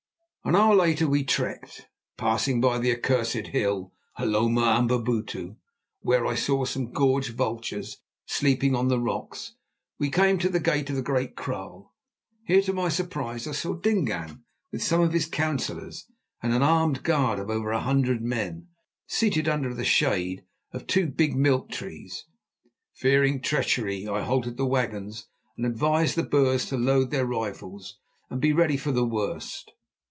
An hour later we trekked. Passing by the accursed hill, Hloma Amabutu, where I saw some gorged vultures sleeping on the rocks, we came to the gate of the Great Kraal. Here, to my surprise, I saw Dingaan with some of his councillors and an armed guard of over a hundred men, seated under the shade of two big milk trees. Fearing treachery, I halted the wagons and advised the Boers to load their rifles and be ready for the worst.